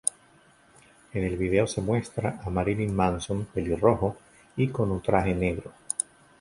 En el video se muestra a Marilyn Manson pelirrojo y con un traje negro.